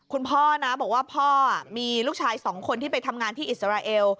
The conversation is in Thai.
คุณพ่อนะบอกว่าพ่อมีลูกชายอีกสองคนที่ทำงานที่อิสเตอร์ไอเอล